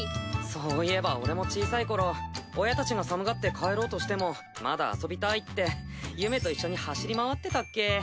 そういえば俺も小さい頃親たちが寒がって帰ろうとしてもまだ遊びたいってゆめと一緒に走り回ってたっけ。